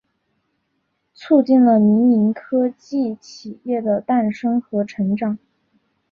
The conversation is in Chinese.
促进了民营科技企业的诞生和成长。